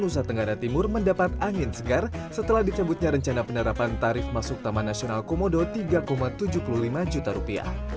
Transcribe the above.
nusa tenggara timur mendapat angin segar setelah dicabutnya rencana penerapan tarif masuk taman nasional komodo tiga tujuh puluh lima juta